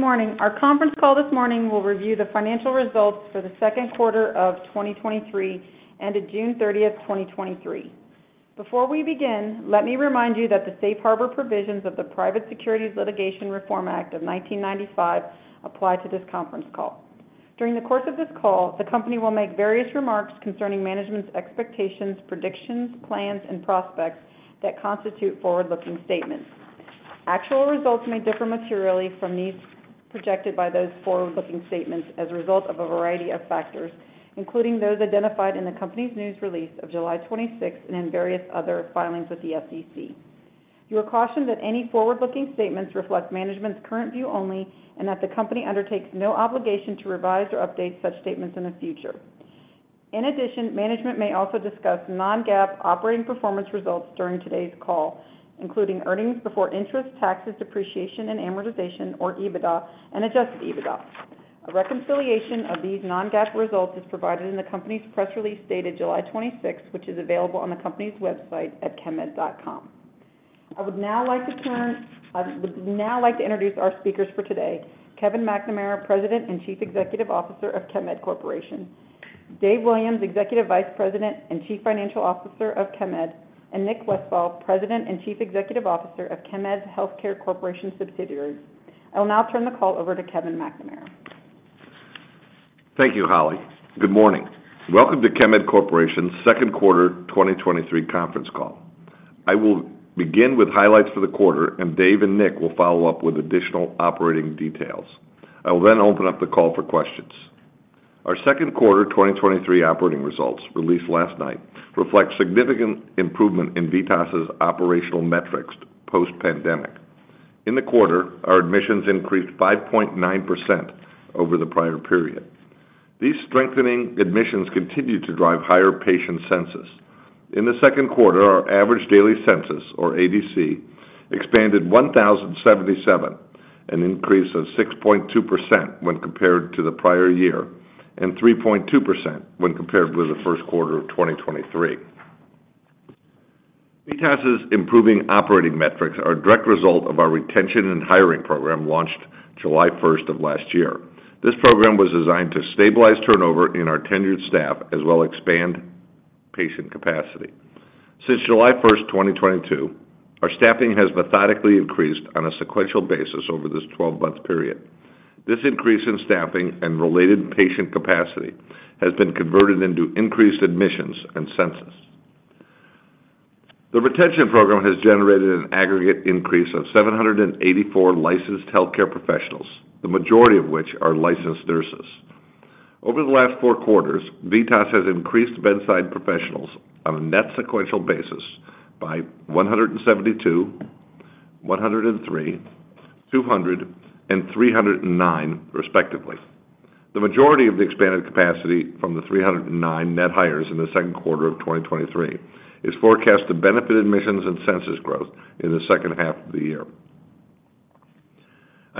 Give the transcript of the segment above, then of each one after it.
Good morning. Our conference call this morning will review the financial results for the second quarter of 2023, and to June 30th, 2023. Before we begin, let me remind you that the safe harbor provisions of the Private Securities Litigation Reform Act of 1995 apply to this conference call. During the course of this call, the company will make various remarks concerning management's expectations, predictions, plans, and prospects that constitute forward-looking statements. Actual results may differ materially from these projected by those forward-looking statements as a result of a variety of factors, including those identified in the company's news release of July 26 and in various other filings with the SEC. You are cautioned that any forward-looking statements reflect management's current view only, and that the company undertakes no obligation to revise or update such statements in the future. In addition, management may also discuss non-GAAP operating performance results during today's call, including earnings before interest, taxes, depreciation, and amortization, or EBITDA, and adjusted EBITDA. A reconciliation of these non-GAAP results is provided in the company's press release dated July 26, which is available on the company's website at chemed.com. I would now like to introduce our speakers for today, Kevin McNamara, President and Chief Executive Officer of Chemed Corporation, Dave Williams, Executive Vice President and Chief Financial Officer of Chemed, and Nick Westfall, President and Chief Executive Officer of Chemed's Healthcare Corporation subsidiaries. I will now turn the call over to Kevin McNamara. Thank you, Holly. Good morning. Welcome to Chemed Corporation's second quarter 2023 conference call. I will begin with highlights for the quarter, and Dave and Nick will follow up with additional operating details. I will then open up the call for questions. Our second quarter 2023 operating results, released last night, reflect significant improvement in VITAS's operational metrics post-pandemic. In the quarter, our admissions increased 5.9% over the prior period. These strengthening admissions continue to drive higher patient census. In the second quarter, our average daily census, or ADC, expanded 1,077, an increase of 6.2% when compared to the prior year, and 3.2% when compared with the first quarter of 2023. VITAS's improving operating metrics are a direct result of our retention and hiring program, launched July first of last year. This program was designed to stabilize turnover in our tenured staff, as well expand patient capacity. Since July 1st, 2022, our staffing has methodically increased on a sequential basis over this 12-month period. This increase in staffing and related patient capacity has been converted into increased admissions and census. The retention program has generated an aggregate increase of 784 licensed healthcare professionals, the majority of which are licensed nurses. Over the last four quarters, VITAS has increased bedside professionals on a net sequential basis by 172, 103, 200, and 309, respectively. The majority of the expanded capacity from the 309 net hires in the second quarter of 2023 is forecast to benefit admissions and census growth in the second half of the year.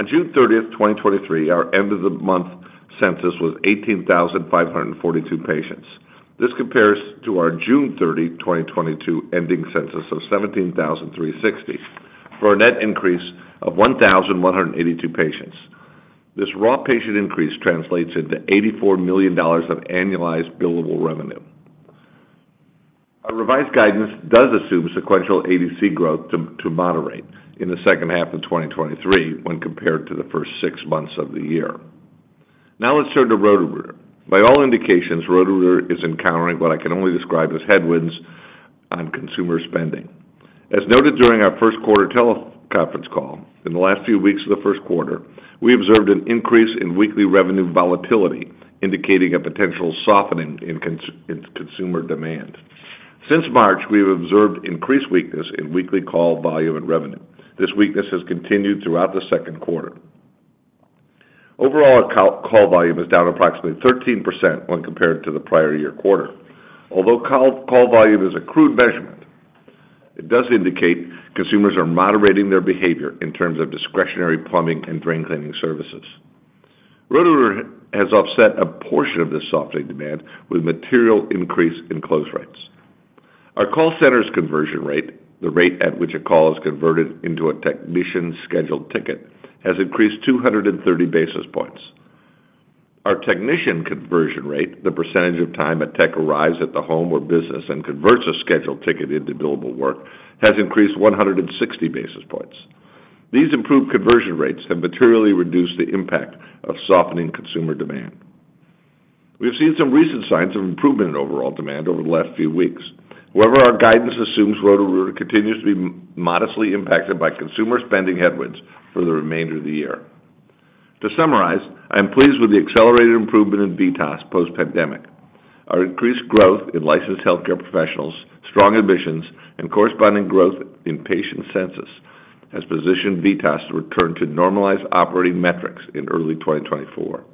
June 30th, 2023, our end of the month census was 18,542 patients. This compares to our June 30, 2022, ending census of 17,360, for a net increase of 1,182 patients. This raw patient increase translates into $84 million of annualized billable revenue. Our revised guidance does assume sequential ADC growth to moderate in the second half of 2023 when compared to the first six months of the year. Let's turn to Roto-Rooter. By all indications, Roto-Rooter is encountering what I can only describe as headwinds on consumer spending. As noted during our first quarter teleconference call, in the last few weeks of the first quarter, we observed an increase in weekly revenue volatility, indicating a potential softening in consumer demand. Since March, we have observed increased weakness in weekly call volume and revenue. This weakness has continued throughout the second quarter. Overall, call volume is down approximately 13% when compared to the prior year quarter. Although call volume is a crude measurement, it does indicate consumers are moderating their behavior in terms of discretionary plumbing and drain cleaning services. Roto-Rooter has offset a portion of this softening demand with material increase in close rates. Our call center's conversion rate, the rate at which a call is converted into a technician-scheduled ticket, has increased 230 basis points. Our technician conversion rate, the percentage of time a tech arrives at the home or business and converts a scheduled ticket into billable work, has increased 160 basis points. These improved conversion rates have materially reduced the impact of softening consumer demand. We have seen some recent signs of improvement in overall demand over the last few weeks. Our guidance assumes Roto-Rooter continues to be modestly impacted by consumer spending headwinds for the remainder of the year. I am pleased with the accelerated improvement in VITAS post-pandemic. Our increased growth in licensed healthcare professionals, strong admissions, and corresponding growth in patient census has positioned VITAS to return to normalized operating metrics in early 2024.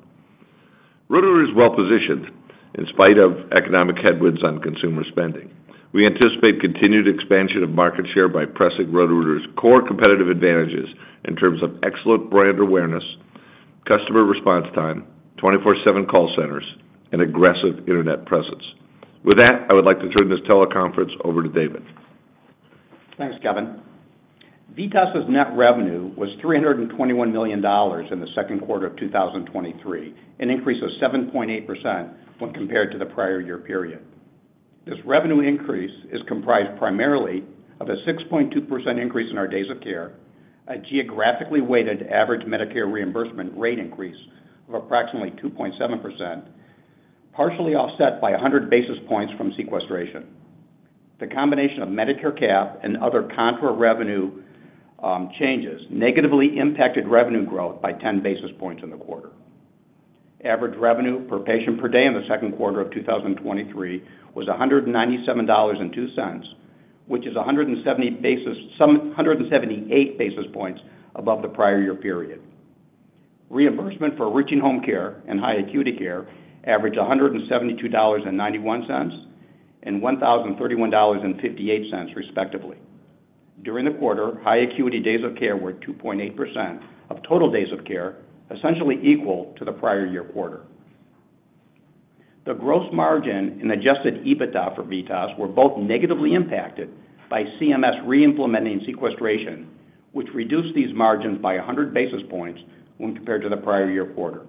Roto-Rooter is well positioned in spite of economic headwinds on consumer spending. We anticipate continued expansion of market share by pressing Roto-Rooter's core competitive advantages in terms of excellent brand awareness, customer response time, 24/7 call centers, and aggressive internet presence. I would like to turn this teleconference over to David. Thanks, Kevin. VITAS's net revenue was $321 million in the second quarter of 2023, an increase of 7.8% when compared to the prior year period. This revenue increase is comprised primarily of a 6.2% increase in our days of care, a geographically weighted average Medicare reimbursement rate increase of approximately 2.7%, partially offset by 100 basis points from sequestration. The combination of Medicare Cap and other contra revenue changes negatively impacted revenue growth by 10 basis points in the quarter. Average revenue per patient per day in the second quarter of 2023 was $197.02, which is 178 basis points above the prior year period. Reimbursement for routine home care and high acuity care averaged $172.91, and $1,031.58, respectively. During the quarter, high acuity days of care were 2.8% of total days of care, essentially equal to the prior year quarter. The gross margin and adjusted EBITDA for VITAS were both negatively impacted by CMS reimplementing sequestration, which reduced these margins by 100 basis points when compared to the prior year quarter.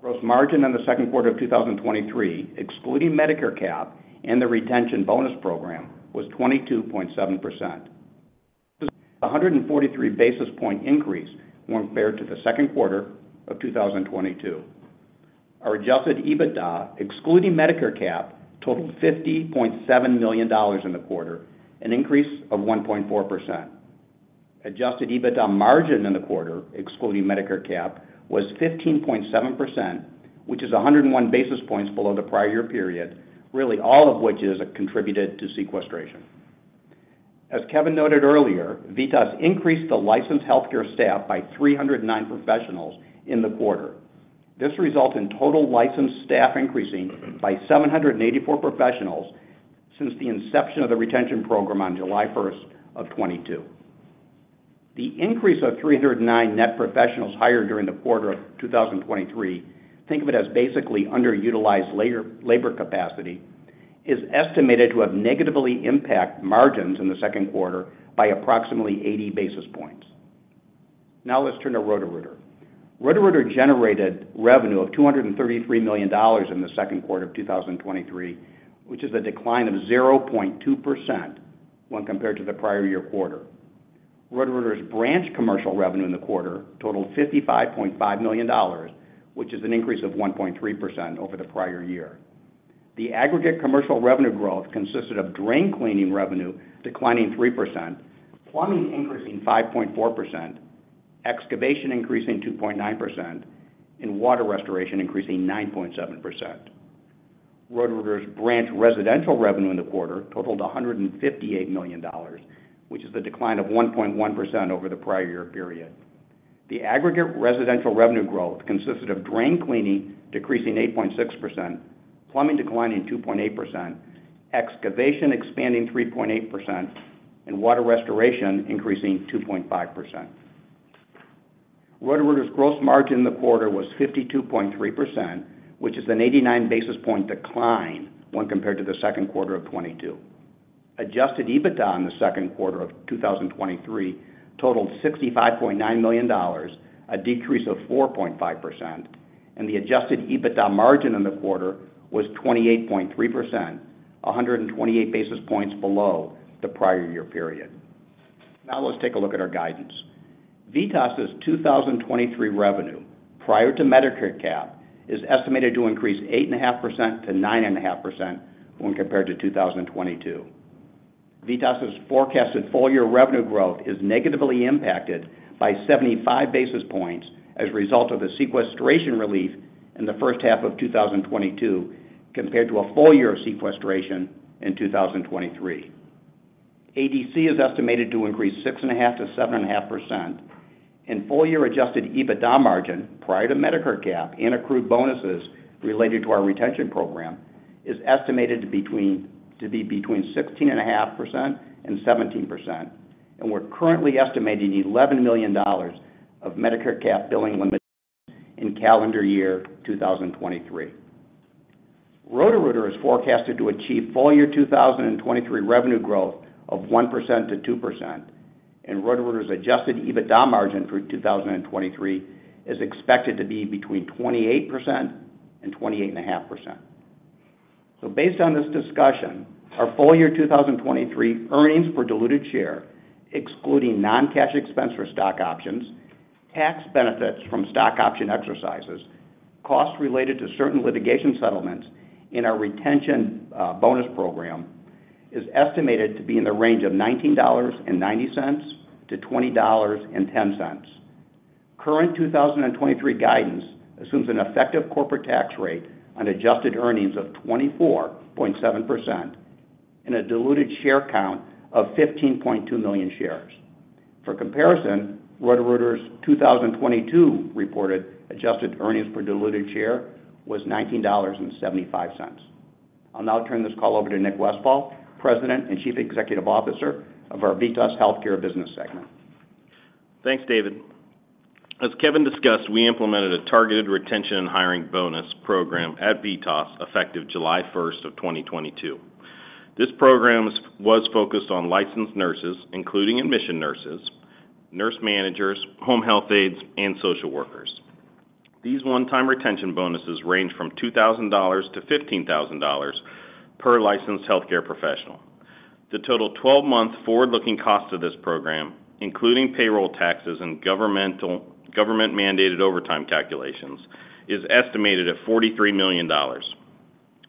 Gross margin in the second quarter of 2023, excluding Medicare Cap and the retention bonus program, was 22.7%, a 143 basis point increase when compared to the second quarter of 2022. Our adjusted EBITDA, excluding Medicare Cap, totaled $50.7 million in the quarter, an increase of 1.4%. Adjusted EBITDA margin in the quarter, excluding Medicare Cap, was 15.7%, which is 101 basis points below the prior year period, really, all of which is attributed to sequestration. As Kevin noted earlier, VITAS increased the licensed healthcare staff by 309 professionals in the quarter. This results in total licensed staff increasing by 784 professionals since the inception of the retention program on July 1, 2022. The increase of 309 net professionals hired during the quarter of 2023, think of it as basically underutilized labor capacity, is estimated to have negatively impacted margins in the second quarter by approximately 80 basis points. Now let's turn to Roto-Rooter. Roto-Rooter generated revenue of $233 million in the second quarter of 2023, which is a decline of 0.2% when compared to the prior year quarter. Roto-Rooter's branch commercial revenue in the quarter totaled $55.5 million, which is an increase of 1.3% over the prior year. The aggregate commercial revenue growth consisted of drain cleaning revenue declining 3%, plumbing increasing 5.4%, excavation increasing 2.9%, and water restoration increasing 9.7%. Roto-Rooter's branch residential revenue in the quarter totaled $158 million, which is a decline of 1.1% over the prior year period. The aggregate residential revenue growth consisted of drain cleaning decreasing 8.6%, plumbing declining 2.8%, excavation expanding 3.8%, and water restoration increasing 2.5%. Roto-Rooter's gross margin in the quarter was 52.3%, which is an 89 basis point decline when compared to the second quarter of 2022. adjusted EBITDA in the second quarter of 2023 totaled $65.9 million, a decrease of 4.5%, and the adjusted EBITDA margin in the quarter was 28.3%, 128 basis points below the prior year period. Now, let's take a look at our guidance. VITAS's 2023 revenue, prior to Medicare Cap, is estimated to increase 8.5%-9.5% when compared to 2022. VITAS's forecasted full-year revenue growth is negatively impacted by 75 basis points as a result of the sequestration relief in the first half of 2022, compared to a full year of sequestration in 2023. ADC is estimated to increase 6.5%-7.5%, and full year adjusted EBITDA margin, prior to Medicare Cap and accrued bonuses related to our retention program, is estimated to be between 16.5% and 17%, and we're currently estimating $11 million of Medicare Cap billing limits in calendar year 2023. Roto-Rooter is forecasted to achieve full year 2023 revenue growth of 1%-2%, and Roto-Rooter's adjusted EBITDA margin for 2023 is expected to be between 28% and 28.5%. Based on this discussion, our full year 2023 earnings per diluted share, excluding non-cash expense for stock options, tax benefits from stock option exercises, costs related to certain litigation settlements in our retention bonus program, is estimated to be in the range of $19.90-$20.10. Current 2023 guidance assumes an effective corporate tax rate on adjusted earnings of 24.7% and a diluted share count of 15.2 million shares. For comparison, Roto-Rooter's 2022 reported adjusted earnings per diluted share was $19.75. I'll now turn this call over to Nick Westfall, President and Chief Executive Officer of our VITAS Healthcare business segment. Thanks, David. As Kevin discussed, we implemented a targeted retention and hiring bonus program at VITAS, effective July 1st of 2022. This program was focused on licensed nurses, including admission nurses, nurse managers, home health aides, and social workers. These one-time retention bonuses range from $2,000-$15,000 per licensed healthcare professional. The total 12-month forward-looking cost of this program, including payroll taxes and government-mandated overtime calculations, is estimated at $43 million.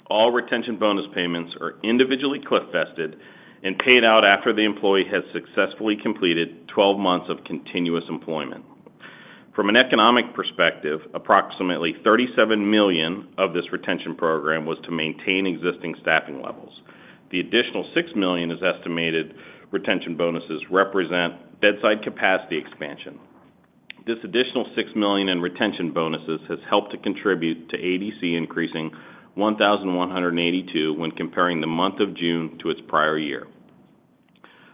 All retention bonus payments are individually cliff-vested and paid out after the employee has successfully completed 12 months of continuous employment. From an economic perspective, approximately $37 million of this retention program was to maintain existing staffing levels. The additional $6 million is estimated retention bonuses represent bedside capacity expansion. This additional $6 million in retention bonuses has helped to contribute to ADC increasing 1,182 when comparing the month of June to its prior year.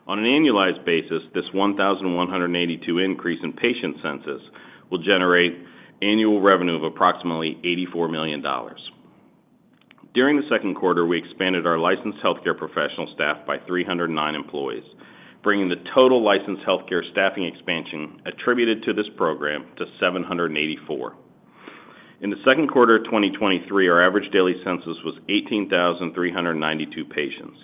On an annualized basis, this 1,182 increase in patient census will generate annual revenue of approximately $84 million. During the second quarter, we expanded our licensed healthcare professional staff by 309 employees, bringing the total licensed healthcare staffing expansion attributed to this program to 784. In the second quarter of 2023, our average daily census was 18,392 patients,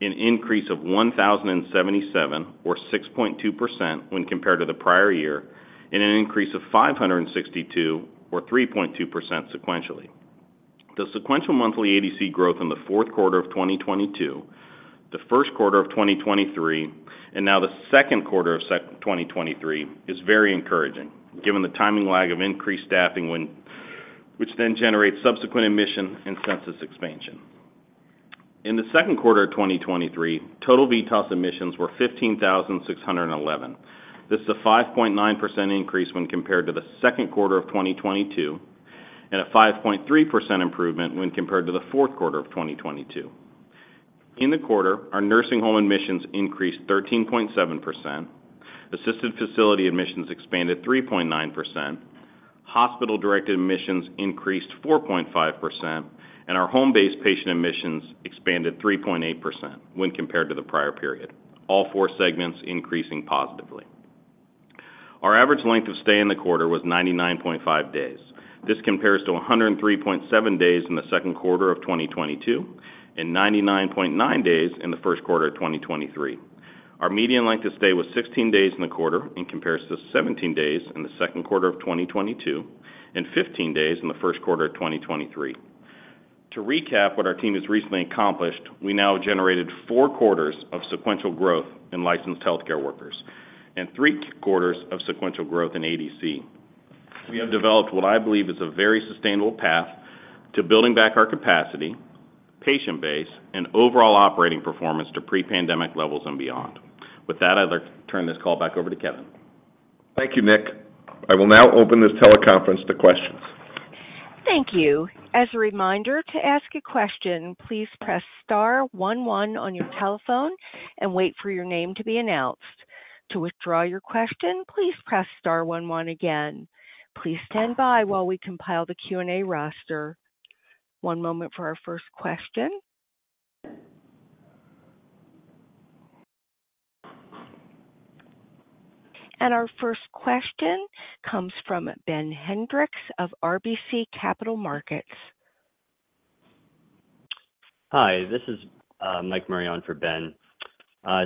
an increase of 1,077, or 6.2%, when compared to the prior year, and an increase of 562, or 3.2% sequentially. The sequential monthly ADC growth in the fourth quarter of 2022, the first quarter of 2023, and now the second quarter of 2023, is very encouraging, given the timing lag of increased staffing which then generates subsequent admission and census expansion. In the second quarter of 2023, total VITAS admissions were 15,611. This is a 5.9% increase when compared to the second quarter of 2022, and a 5.3% improvement when compared to the fourth quarter of 2022. In the quarter, our nursing home admissions increased 13.7%, assisted facility admissions expanded 3.9%, hospital-directed admissions increased 4.5%, and our home-based patient admissions expanded 3.8% when compared to the prior period, all four segments increasing positively. Our average length of stay in the quarter was 99.5 days. This compares to 103.7 days in the second quarter of 2022, and 99.9 days in the first quarter of 2023. Our median length of stay was 16 days in the quarter, in comparison to 17 days in the second quarter of 2022, and 15 days in the first quarter of 2023. To recap what our team has recently accomplished, we now generated four quarters of sequential growth in licensed healthcare workers and three quarters of sequential growth in ADC. We have developed what I believe is a very sustainable path to building back our capacity, patient base, and overall operating performance to pre-pandemic levels and beyond. With that, I'd like to turn this call back over to Kevin. Thank you, Nick. I will now open this teleconference to questions. Thank you. As a reminder, to ask a question, please press star one one on your telephone and wait for your name to be announced. To withdraw your question, please press star one one again. Please stand by while we compile the Q&A roster. One moment for our first question. Our first question comes from Ben Hendrix of RBC Capital Markets. Hi, this is Mike Marion for Ben.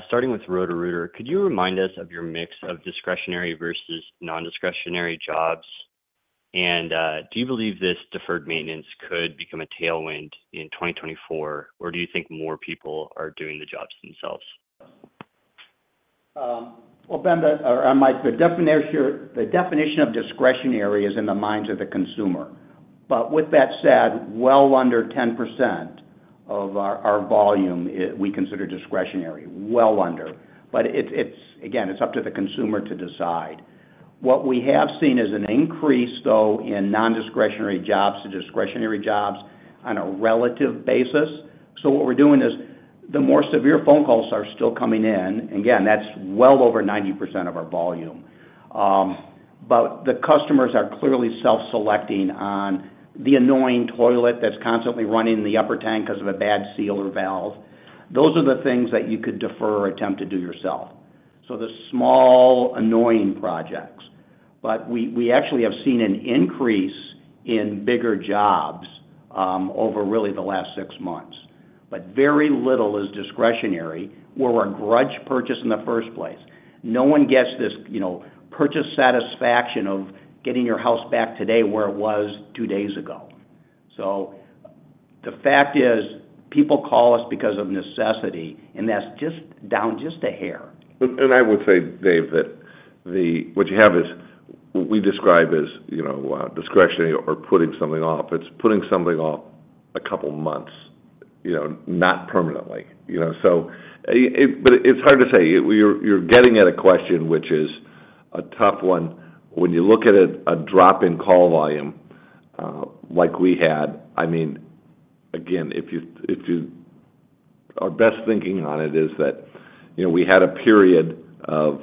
Starting with Roto-Rooter, could you remind us of your mix of discretionary versus nondiscretionary jobs? Do you believe this deferred maintenance could become a tailwind in 2024, or do you think more people are doing the jobs themselves? Well, Ben, Mike, the definition here, the definition of discretionary is in the minds of the consumer. With that said, well under 10% of our volume, we consider discretionary, well under. Again, it's up to the consumer to decide. What we have seen is an increase, though, in nondiscretionary jobs to discretionary jobs on a relative basis. What we're doing is, the more severe phone calls are still coming in, again, that's well over 90% of our volume. The customers are clearly self-selecting on the annoying toilet that's constantly running in the upper tank because of a bad seal or valve. Those are the things that you could defer or attempt to do yourself. The small, annoying projects. We actually have seen an increase in bigger jobs over really the last six months. Very little is discretionary, or were a grudge purchase in the first place. No one gets this, you know, purchase satisfaction of getting your house back today where it was two days ago. The fact is, people call us because of necessity, and that's just down, just a hair. I would say, Dave, that what you have is, we describe as, you know, discretionary or putting something off. It's putting something off a couple months, you know, not permanently, you know. But it's hard to say. You're getting at a question, which is a tough one. When you look at it, a drop in call volume, like we had, I mean, again, our best thinking on it is that, you know, we had a period of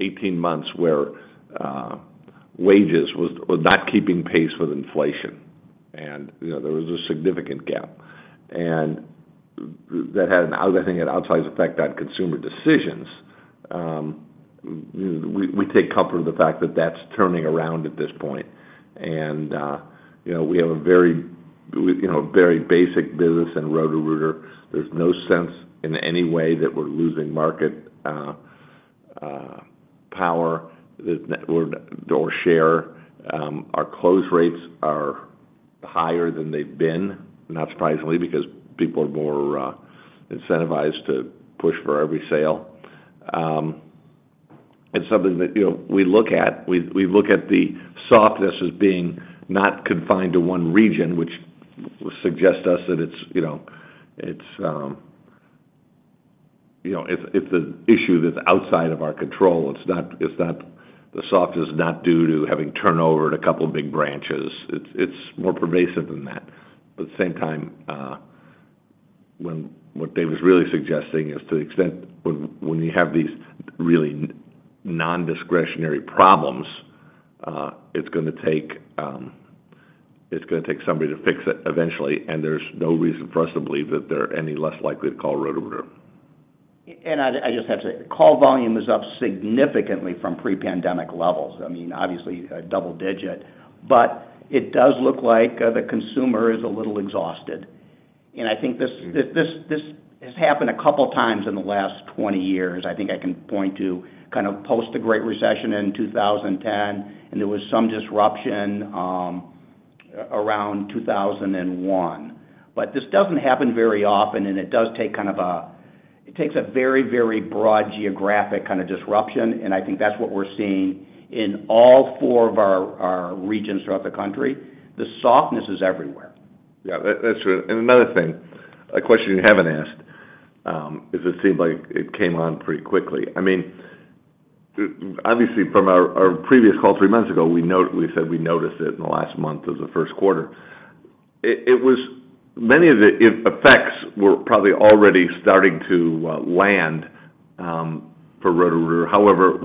18 months where wages was not keeping pace with inflation, and, you know, there was a significant gap. That had, I think, an outsized effect on consumer decisions. We take comfort in the fact that that's turning around at this point. You know, we have a very, you know, a very basic business in Roto-Rooter. There's no sense in any way that we're losing market power or share. Our close rates are higher than they've been, not surprisingly, because people are more incentivized to push for every sale. It's something that, you know, we look at. We look at the softness as being not confined to one region, which suggests to us that it's, you know, it's, you know, it's an issue that's outside of our control. The soft is not due to having turnover at a couple of big branches. It's more pervasive than that. At the same time, what Dave is really suggesting is to the extent when, when you have these really nondiscretionary problems, it's gonna take somebody to fix it eventually. There's no reason for us to believe that they're any less likely to call Roto-Rooter. I, I just have to say, call volume is up significantly from pre-pandemic levels. I mean, obviously, double digit, but it does look like the consumer is a little exhausted. I think this has happened a couple of times in the last 20 years. I think I can point to kind of post the Great Recession in 2010, and there was some disruption around 2001. This doesn't happen very often, and it does take kind of it takes a very, very broad geographic kind of disruption, and I think that's what we're seeing in all four of our, our regions throughout the country. The softness is everywhere. Yeah, that, that's true. Another thing, a question you haven't asked, is it seemed like it came on pretty quickly. I mean, obviously, from our previous call three months ago, we said we noticed it in the last month of the first quarter. It was many of the effects were probably already starting to land for Roto-Rooter. However, it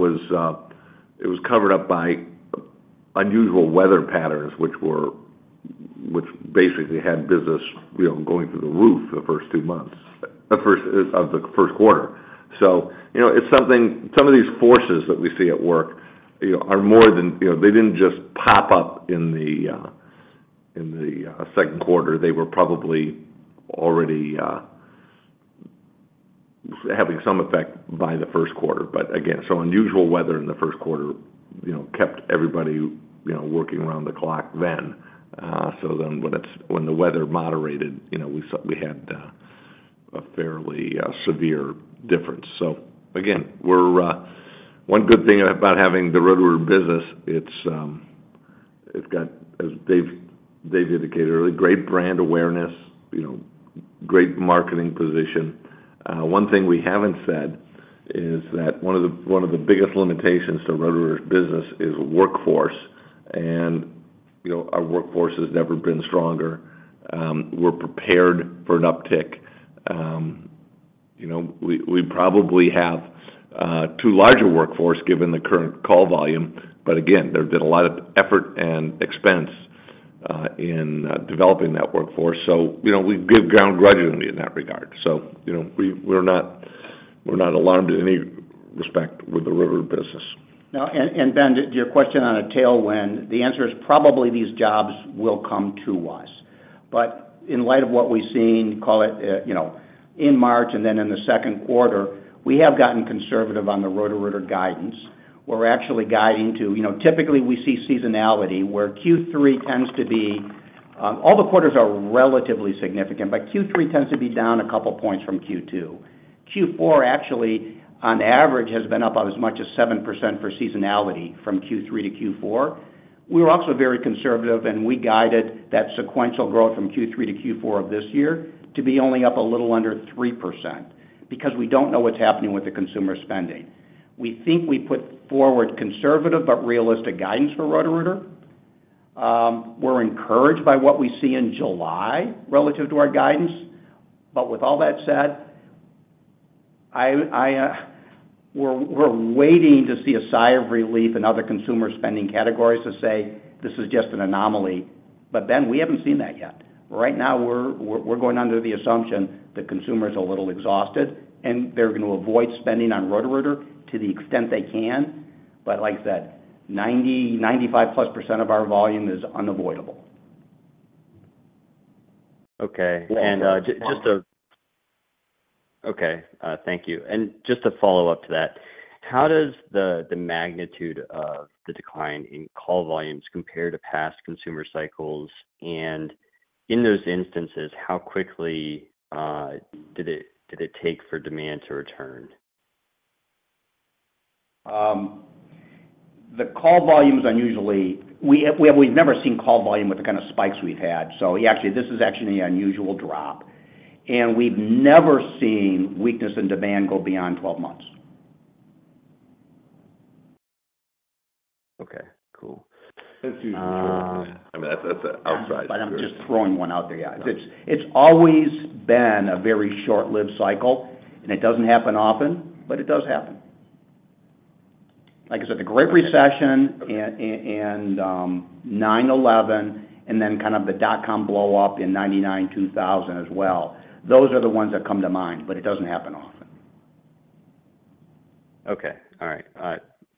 was covered up by unusual weather patterns, which basically had business, you know, going through the roof the first two months of the first quarter. You know, it's something some of these forces that we see at work, you know, are more than... You know, they didn't just pop up in the second quarter. They were probably already having some effect by the first quarter. Again, some unusual weather in the first quarter, you know, kept everybody, you know, working around the clock then. When the weather moderated, you know, we had a fairly severe difference. Again, we're. One good thing about having the Roto-Rooter business, it's got, as Dave Williams indicated earlier, great brand awareness, you know, great marketing position. One thing we haven't said is that one of the, one of the biggest limitations to Roto-Rooter's business is workforce, and, you know, our workforce has never been stronger. We're prepared for an uptick. You know, we probably have two larger workforce given the current call volume. Again, there's been a lot of effort and expense in developing that workforce. You know, we've good ground regularly in that regard. You know, we're not alarmed in any respect with the Roto-Rooter business. Ben, to your question on a tailwind, the answer is probably these jobs will come to us. In light of what we've seen, call it, you know, in March and then in the second quarter, we have gotten conservative on the Roto-Rooter guidance. We're actually guiding to. You know, typically, we see seasonality, where Q3 tends to be, all the quarters are relatively significant, but Q3 tends to be down a couple points from Q2. Q4, actually, on average, has been up by as much as 7% for seasonality from Q3 to Q4. We're also very conservative, and we guided that sequential growth from Q3 to Q4 of this year to be only up a little under 3%, because we don't know what's happening with the consumer spending. We think we put forward conservative but realistic guidance for Roto-Rooter. We're encouraged by what we see in July relative to our guidance. With all that said, I, we're waiting to see a sigh of relief in other consumer spending categories to say, this is just an anomaly. Ben, we haven't seen that yet. Right now, we're going under the assumption that consumer is a little exhausted, and they're gonna avoid spending on Roto-Rooter to the extent they can. Like I said, 90%-95%+ of our volume is unavoidable. Okay. Thank you. Just to follow up to that, how does the magnitude of the decline in call volumes compare to past consumer cycles? In those instances, how quickly did it take for demand to return? We've never seen call volume with the kind of spikes we've had, so actually, this is actually an unusual drop. We've never seen weakness in demand go beyond 12 months. I mean, that's an outside. I'm just throwing one out there. Yeah, it's, it's always been a very short-lived cycle, and it doesn't happen often, but it does happen. Like I said, the Great Recession and, and 9/11, and then kind of the dotcom blowup in 1999, 2000 as well. Those are the ones that come to mind, but it doesn't happen often. Okay. All right.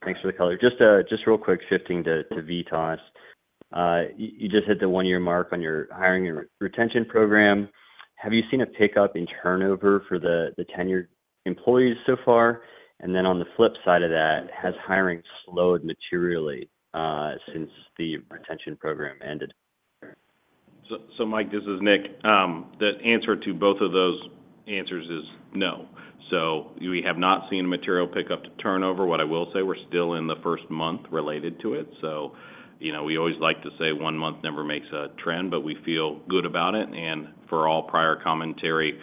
Thanks for the color. Just real quick, shifting to VITAS. You just hit the one-year mark on your hiring and retention program. Have you seen a pickup in turnover for the tenured employees so far? Then on the flip side of that, has hiring slowed materially since the retention program ended? Mike, this is Nick. The answer to both of those answers is no. We have not seen a material pickup to turnover. What I will say, we're still in the first month related to it, so, you know, we always like to say one month never makes a trend, but we feel good about it. For all prior commentary,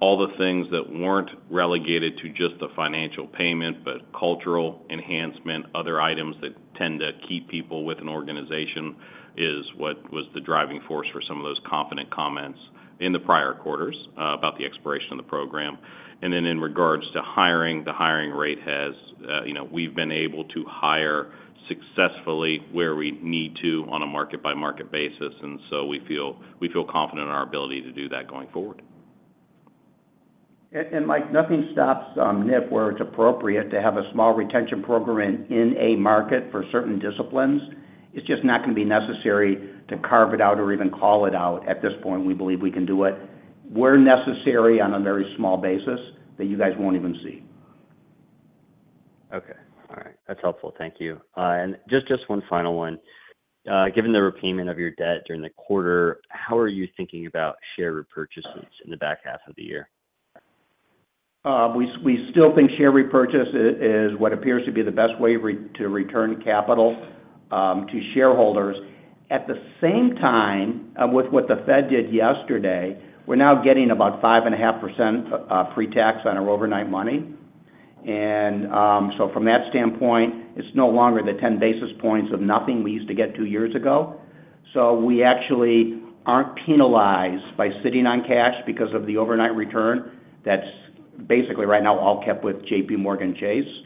all the things that weren't relegated to just the financial payment, but cultural enhancement, other items that tend to keep people with an organization, is what was the driving force for some of those confident comments in the prior quarters about the expiration of the program. In regards to hiring, the hiring rate has, you know, we've been able to hire successfully where we need to on a market-by-market basis, and so we feel confident in our ability to do that going forward. Mike, nothing stops Nick, where it's appropriate to have a small retention program in a market for certain disciplines. It's just not gonna be necessary to carve it out or even call it out. At this point, we believe we can do it, where necessary on a very small basis that you guys won't even see. Okay. All right. That's helpful. Thank you. Just one final one. Given the repayment of your debt during the quarter, how are you thinking about share repurchases in the back half of the year? We still think share repurchase is what appears to be the best way to return capital to shareholders. At the same time, with what the Fed did yesterday, we're now getting about 5.5% pre-tax on our overnight money. From that standpoint, it's no longer the 10 basis points of nothing we used to get two years ago. We actually aren't penalized by sitting on cash because of the overnight return. That's basically right now, all kept with JPMorgan Chase.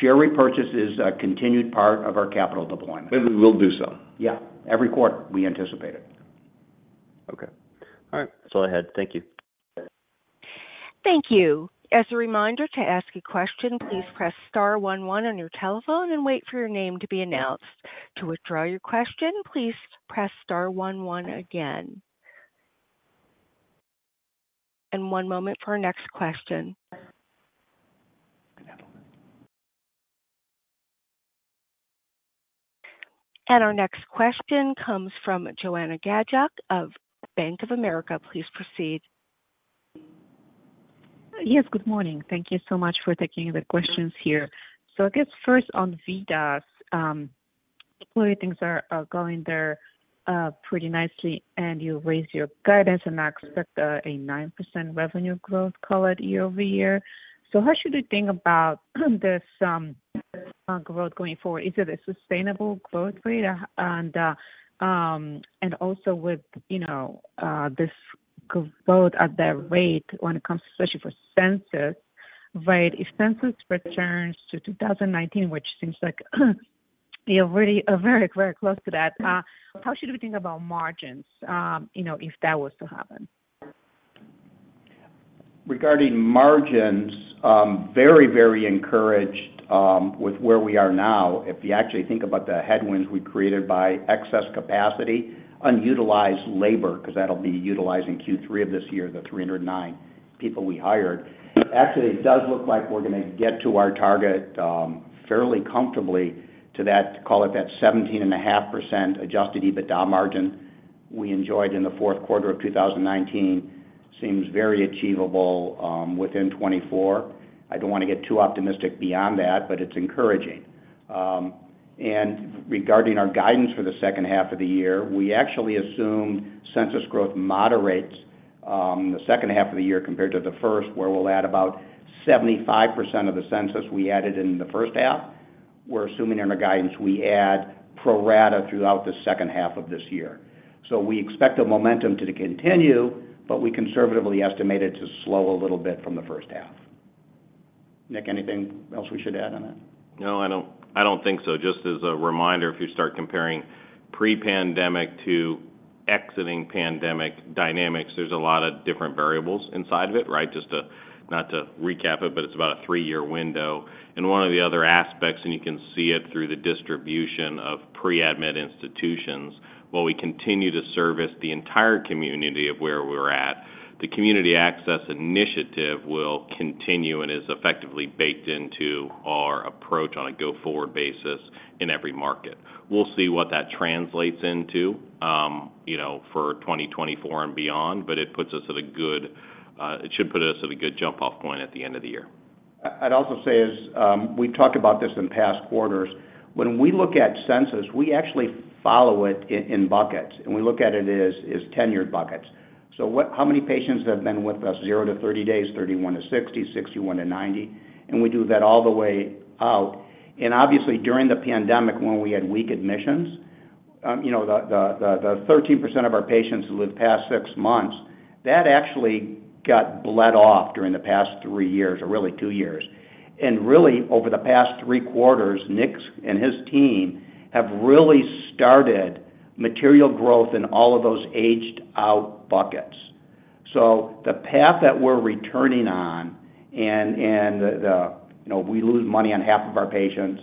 Share repurchase is a continued part of our capital deployment. We'll do so. Yeah, every quarter, we anticipate it. Okay. All right. That's all I had. Thank you. Thank you. As a reminder, to ask a question, please press star one one on your telephone and wait for your name to be announced. To withdraw your question, please press star one one again. One moment for our next question. Our next question comes from Joanna Gajuk of Bank of America. Please proceed. Yes, good morning. Thank you so much for taking the questions here. I guess first on VITAS, clearly, things are going there pretty nicely, and you raised your guidance and now expect a 9% revenue growth call it year-over-year. How should we think about this growth going forward? Is it a sustainable growth rate? Also with, you know, this growth at that rate when it comes, especially for census, right? If census returns to 2019, which seems like you're already very, very close to that, how should we think about margins, you know, if that was to happen? Regarding margins, very, very encouraged, with where we are now. If you actually think about the headwinds we created by excess capacity, unutilized labor, because that'll be utilized in Q3 of this year, the 309 people we hired. Actually, it does look like we're gonna get to our target, fairly comfortably to that, call it, that 17.5% adjusted EBITDA margin we enjoyed in the fourth quarter of 2019, seems very achievable, within 2024. I don't want to get too optimistic beyond that, but it's encouraging. Regarding our guidance for the second half of the year, we actually assume census growth moderates, the second half of the year compared to the first, where we'll add about 75% of the census we added in the first half. We're assuming in our guidance we add pro rata throughout the second half of this year. We expect the momentum to continue, but we conservatively estimate it to slow a little bit from the first half. Nick, anything else we should add on that? No, I don't, I don't think so. Just as a reminder, if you start comparing pre-pandemic to exiting pandemic dynamics, there's a lot of different variables inside of it, right? Just not to recap it, but it's about a three-year window. One of the other aspects, and you can see it through the distribution of pre-admit institutions, while we continue to service the entire community of where we're at, the community access initiative will continue and is effectively baked into our approach on a go-forward basis in every market. We'll see what that translates into, you know, for 2024 and beyond, but it puts us at a good, it should put us at a good jump-off point at the end of the year. I'd also say as we've talked about this in past quarters, when we look at census, we actually follow it in, in buckets, and we look at it as, as tenured buckets. How many patients have been with us zero to 30 days, 31 to 60, 61 to 90? We do that all the way out. Obviously, during the pandemic, when we had weak admissions, you know, the 13% of our patients who live past six months, that actually got bled off during the past three years or really two years. Really, over the past three quarters, Nick's and his team have really started material growth in all of those aged-out buckets. The path that we're returning on, you know, we lose money on half of our patients,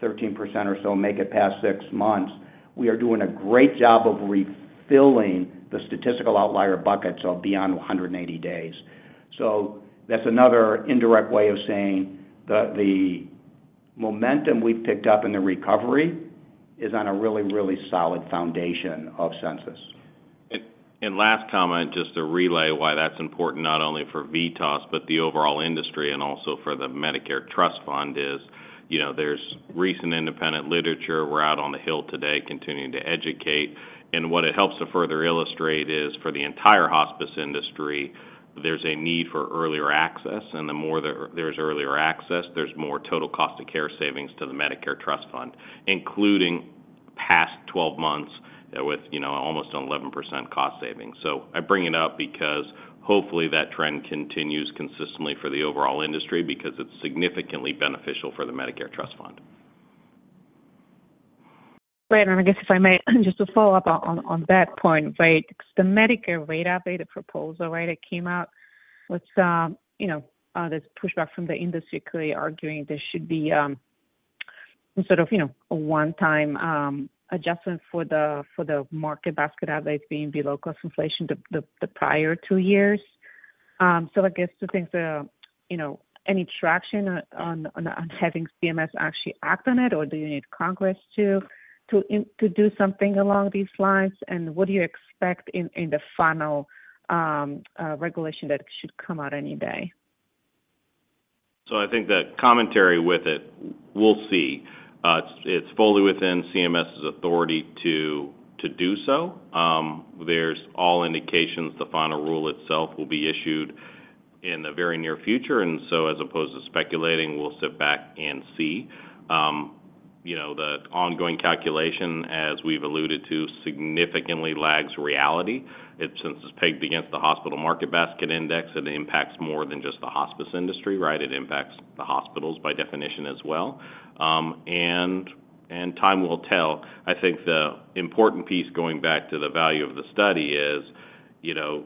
13% or so make it past six months, we are doing a great job of refilling the statistical outlier buckets of beyond 180 days. That's another indirect way of saying the momentum we've picked up in the recovery is on a really, really solid foundation of census. Last comment, just to relay why that's important, not only for VITAS, but the overall industry and also for the Medicare Trust Fund is, you know, there's recent independent literature. We're out on the Hill today continuing to educate, and what it helps to further illustrate is, for the entire hospice industry, there's a need for earlier access, and the more there's earlier access, there's more total cost of care savings to the Medicare Trust Fund, including past 12 months with, you know, almost 11% cost savings. I bring it up because hopefully that trend continues consistently for the overall industry because it's significantly beneficial for the Medicare Trust Fund. Right, I guess if I may, just to follow up on that point, right? The Medicare rate update, the proposal, right, it came out with, you know, this pushback from the industry clearly arguing there should be, instead of, you know, a one-time adjustment for the market basket out there being below cost inflation the prior two years. I guess two things, you know, any traction on having CMS actually act on it, or do you need Congress to do something along these lines, and what do you expect in the final regulation that should come out any day? I think the commentary with it, we'll see. It's fully within CMS's authority to do so. There's all indications the final rule itself will be issued in the very near future, as opposed to speculating, we'll sit back and see. You know, the ongoing calculation, as we've alluded to, significantly lags reality. Since it's pegged against the hospital market basket index, it impacts more than just the hospice industry, right? It impacts the hospitals by definition as well. Time will tell. I think the important piece, going back to the value of the study is, you know,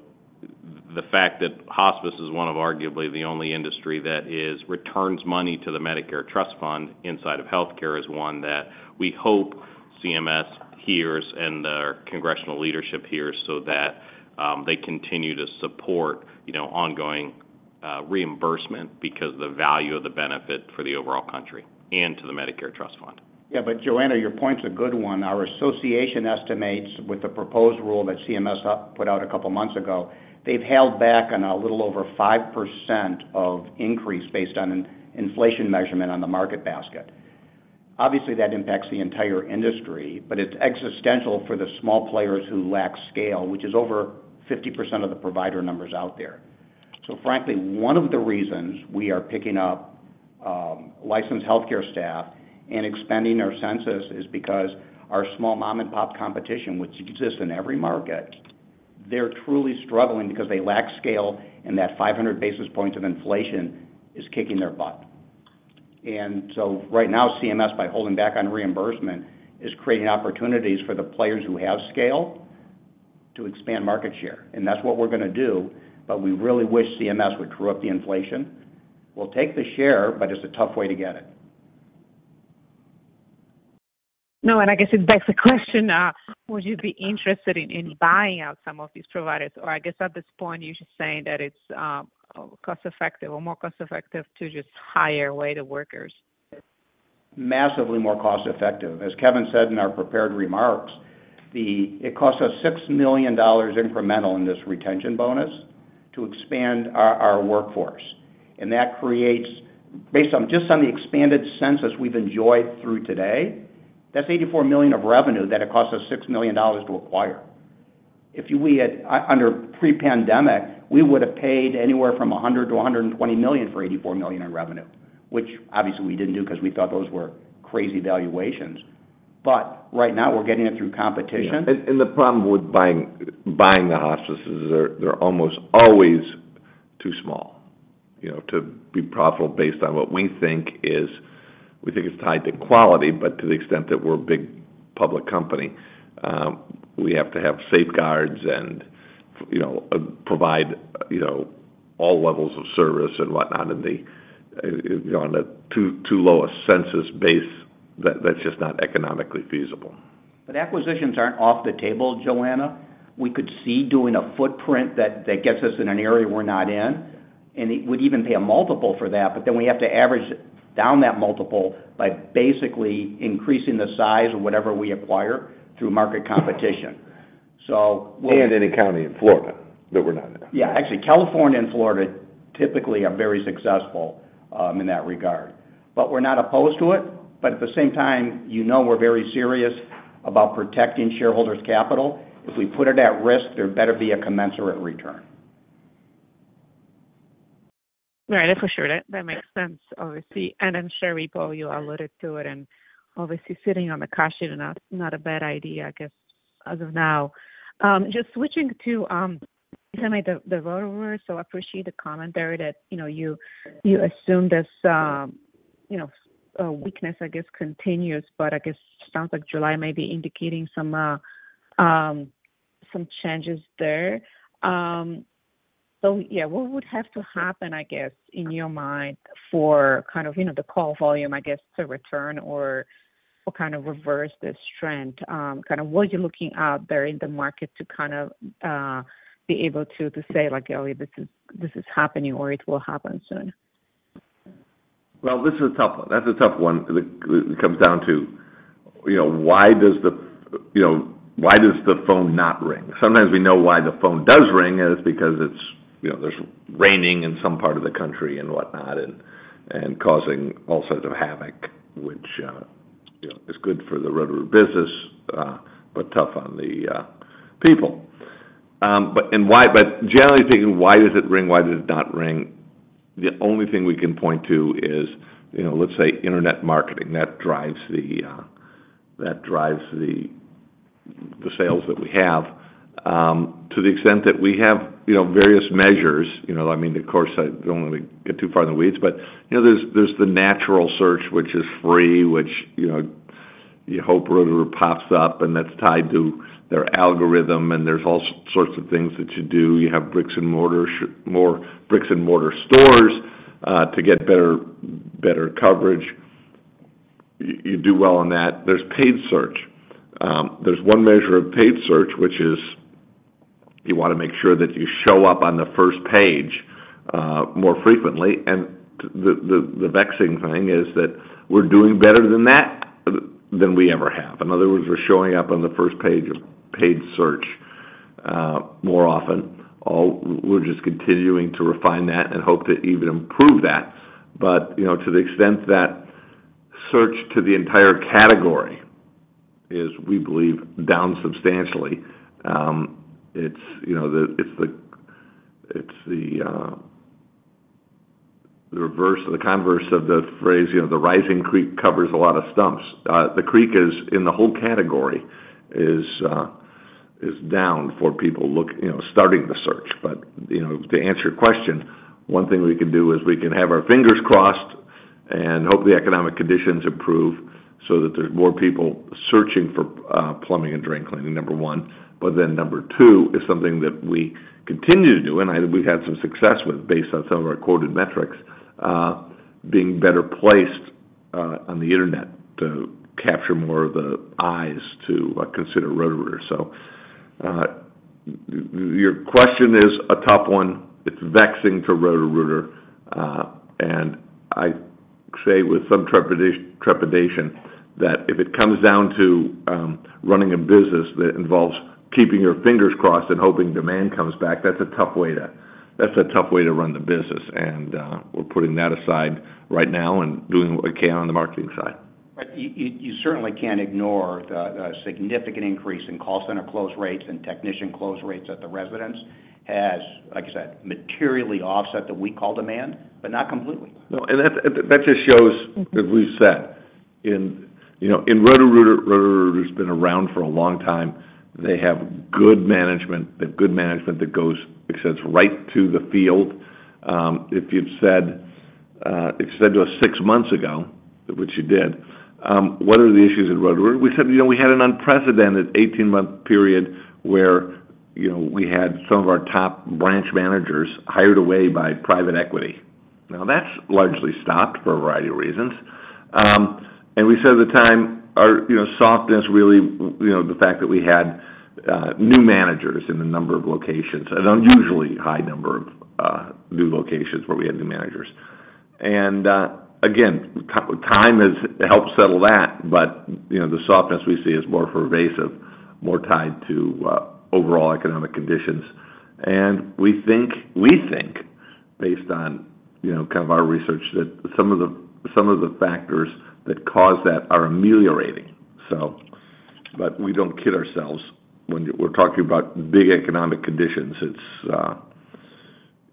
the fact that hospice is one of arguably the only industry that is, returns money to the Medicare Trust Fund inside of healthcare is one that we hope CMS hears and our congressional leadership hears, so that they continue to support, you know, ongoing reimbursement because the value of the benefit for the overall country and to the Medicare Trust Fund. Joanna, your point's a good one. Our association estimates with the proposed rule that CMS put out a couple of months ago, they've held back on a little over 5% of increase based on an inflation measurement on the market basket. Obviously, that impacts the entire industry, but it's existential for the small players who lack scale, which is over 50% of the provider numbers out there. Frankly, one of the reasons we are picking up licensed healthcare staff and expanding our census is because our small mom-and-pop competition, which exists in every market, they're truly struggling because they lack scale, and that 500 basis points of inflation is kicking their butt. Right now, CMS, by holding back on reimbursement, is creating opportunities for the players who have scale to expand market share, and that's what we're gonna do. We really wish CMS would true up the inflation. We'll take the share. It's a tough way to get it. No. I guess it begs the question, would you be interested in buying out some of these providers, or I guess at this point, you're just saying that it's cost-effective or more cost-effective to just hire weighted workers? Massively more cost-effective. As Kevin said in our prepared remarks, It costs us $6 million incremental in this retention bonus to expand our workforce, and that creates... Based on just on the expanded census we've enjoyed through today, that's $84 million of revenue that it costs us $6 million to acquire. If we had, under pre-pandemic, we would have paid anywhere from $100 million-$120 million for $84 million in revenue, which obviously we didn't do because we thought those were crazy valuations. Right now, we're getting it through competition. The problem with buying the hospices is they're almost always too small, you know, to be profitable based on what we think is, we think it's tied to quality, but to the extent that we're a big public company, we have to have safeguards and, you know, provide, you know, all levels of service and whatnot in the, on a too low a census base, that's just not economically feasible. Acquisitions aren't off the table, Joanna. We could see doing a footprint that gets us in an area we're not in, and it would even pay a multiple for that, but then we have to average down that multiple by basically increasing the size of whatever we acquire through market competition. Any county in Florida that we're not in. Yeah, actually, California and Florida typically are very successful in that regard. We're not opposed to it, but at the same time, you know we're very serious about protecting shareholders' capital. If we put it at risk, there better be a commensurate return. Right, for sure. That makes sense, obviously. I'm sure, before you alluded to it, and obviously, sitting on the cash is not a bad idea, I guess, as of now. Just switching to, you sent me the Roto-Rooter, so I appreciate the comment there that, you know, you assume this, you know, weakness, I guess, continues, but I guess sounds like July may be indicating some changes there. Yeah, what would have to happen, I guess, in your mind, for kind of, you know, the call volume, I guess, to return or, or kind of reverse this trend? Kind of what are you looking out there in the market to kind of be able to say, like, "Oh, this is, this is happening, or it will happen soon? Well, this is a tough one. That's a tough one. It comes down to, you know, why does the phone not ring? Sometimes we know why the phone does ring, because it's, you know, there's raining in some part of the country and whatnot, and causing all sorts of havoc, which, you know, is good for the Roto-Rooter business, but tough on the people. Generally speaking, why does it ring? Why does it not ring? The only thing we can point to is, you know, let's say, internet marketing. That drives the, that drives the sales that we have, to the extent that we have, you know, various measures. You know, I mean, of course, I don't want to get too far in the weeds, but, you know, there's the natural search, which is free, which, you know, you hope Roto-Rooter pops up, and that's tied to their algorithm, and there's all sorts of things that you do. You have bricks and mortar more bricks-and-mortar stores to get better coverage. You do well on that. There's paid search. There's one measure of paid search, which is you wanna make sure that you show up on the first page more frequently. The vexing thing is that we're doing better than that, than we ever have. In other words, we're showing up on the first page of paid search more often. We're just continuing to refine that and hope to even improve that. You know, to the extent that search to the entire category is, we believe, down substantially, it's, you know, it's the, it's the reverse of the converse of the phrase, you know, the rising creek covers a lot of stumps. The creek is, in the whole category, is down for people look, you know, starting the search. You know, to answer your question, one thing we can do is we can have our fingers crossed and hope the economic conditions improve so that there's more people searching for plumbing and drain cleaning, number one. Number two is something that we continue to do, and we've had some success with, based on some of our quoted metrics, being better placed on the internet to capture more of the eyes to consider Roto-Rooter. Your question is a tough one. It's vexing to Roto-Rooter, I say with some trepidation, that if it comes down to running a business that involves keeping your fingers crossed and hoping demand comes back, that's a tough way to run the business. We're putting that aside right now and doing what we can on the marketing side. You certainly can't ignore the significant increase in call center close rates and technician close rates at the residents has, like you said, materially offset the weak call demand, but not completely. No, that just shows that we've said. You know, in Roto-Rooter, Roto-Rooter's been around for a long time. They have good management. They have good management that extends right to the field. If you'd said, if you said to us six months ago, which you did, "What are the issues in Roto-Rooter?" We said, "You know, we had an unprecedented 18-month period where, you know, we had some of our top branch managers hired away by private equity." Now, that's largely stopped for a variety of reasons. We said at the time, our, you know, softness really, you know, the fact that we had new managers in a number of locations, an unusually high number of new locations where we had new managers. Again, time has helped settle that, but, you know, the softness we see is more pervasive, more tied to overall economic conditions. We think, based on, you know, kind of our research, that some of the factors that cause that are ameliorating. But we don't kid ourselves. When we're talking about big economic conditions, it's,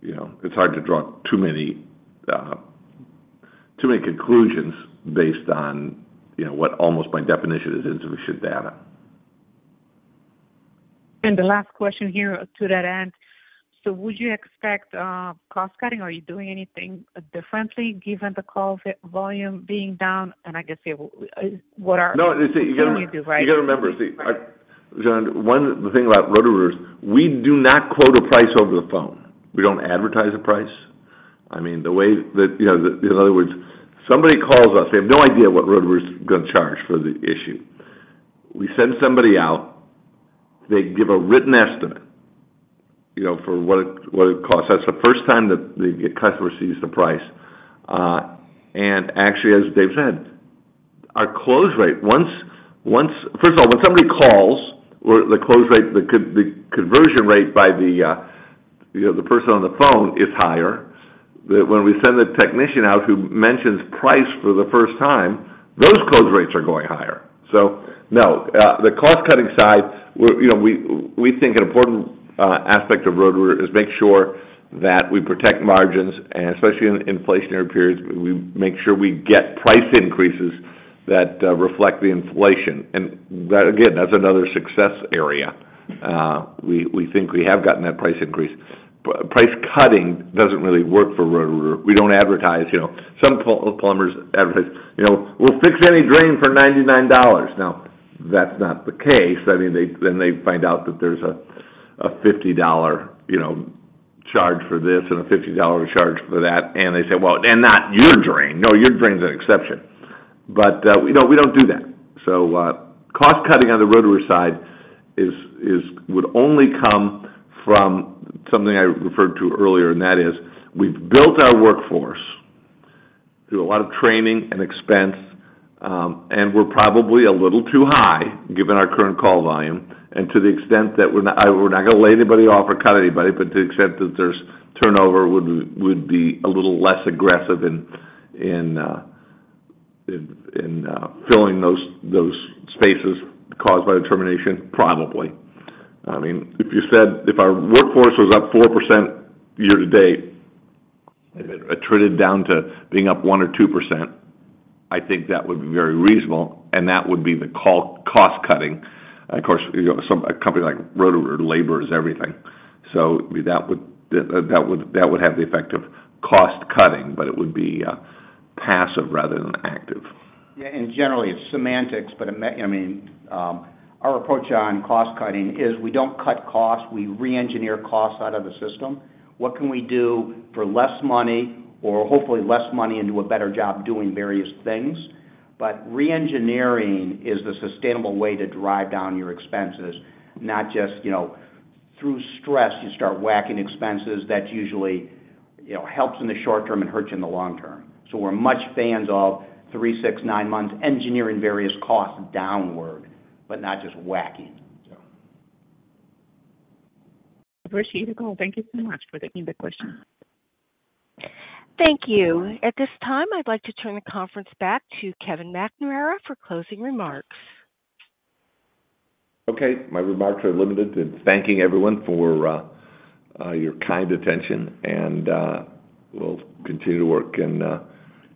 you know, it's hard to draw too many conclusions based on, you know, what almost by definition is insufficient data. The last question here to that end: would you expect cost-cutting? Are you doing anything differently given the call volume being down? I guess, yeah, what are- No. What can you do, right? You gotta remember, see, one, the thing about Roto-Rooter is we do not quote a price over the phone. We don't advertise a price. I mean, the way that. You know, in other words, somebody calls us, they have no idea what Roto-Rooter's gonna charge for the issue. We send somebody out, they give a written estimate, you know, for what it costs. That's the first time that the customer sees the price. Actually, as Dave said, our close rate, once First of all, when somebody calls, or the close rate, the conversion rate by the, you know, the person on the phone is higher. When we send the technician out, who mentions price for the first time, those close rates are going higher. No, the cost-cutting side, we're, you know, we think an important aspect of Roto-Rooter is make sure that we protect margins, and especially in inflationary periods, we make sure we get price increases that reflect the inflation. That, again, that's another success area. We think we have gotten that price increase. Price cutting doesn't really work for Roto-Rooter. We don't advertise, you know, some plumbers advertise, "You know, we'll fix any drain for $99." That's not the case. I mean, then they find out that there's a $50, you know, charge for this and a $50 charge for that, and they say, "Well, and not your drain. No, your drain's an exception." we don't do that. cost-cutting on the Roto-Rooter side would only come from something I referred to earlier, and that is, we've built our workforce through a lot of training and expense, and we're probably a little too high, given our current call volume. To the extent that we're not, we're not gonna lay anybody off or cut anybody, but to the extent that there's turnover, we would be a little less aggressive in filling those spaces caused by the termination? Probably. I mean, if you said, if our workforce was up 4% year-to-date, attrited down to being up 1% or 2%, I think that would be very reasonable, and that would be the cost cutting. Of course, you know, a company like Roto-Rooter, labor is everything, so that would have the effect of cost cutting, but it would be passive rather than active. Generally, it's semantics, but I mean, our approach on cost cutting is we don't cut costs, we reengineer costs out of the system. What can we do for less money or hopefully less money and do a better job doing various things? Reengineering is the sustainable way to drive down your expenses, not just, you know, through stress, you start whacking expenses. That usually, you know, helps in the short term and hurts you in the long term. We're much fans of three, six, nine months engineering various costs downward, but not just whacking them. I appreciate the call. Thank you so much for the question. Thank you. At this time, I'd like to turn the conference back to Kevin McNamara for closing remarks. Okay. My remarks are limited to thanking everyone for your kind attention. We'll continue to work and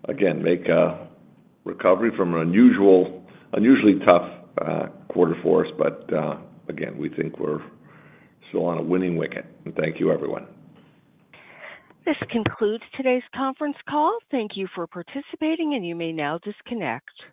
again, make a recovery from an unusual, unusually tough quarter for us. Again, we think we're still on a winning wicket. Thank you, everyone. This concludes today's conference call. Thank you for participating. You may now disconnect.